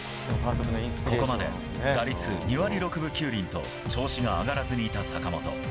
ここまで打率２割６分９厘と調子が上がらずにいた坂本。